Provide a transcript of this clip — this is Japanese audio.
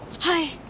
はい。